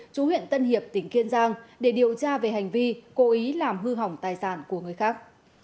chú huyện tân hiệp tỉnh kiên giang để điều tra về hành vi cố ý làm hư hỏng tài sản của người khác